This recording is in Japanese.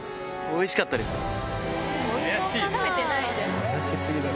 おいしかったです。